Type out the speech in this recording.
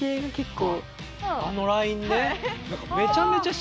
あのラインね。